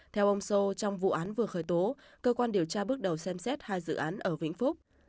theo ông sô trong vụ án vừa khởi tố cơ quan điều tra bước đầu xem xét hai dự án ở vĩnh phúc